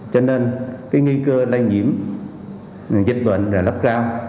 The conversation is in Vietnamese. cho nên cái nghi cơ lây nhiễm dịch bệnh là lấp rao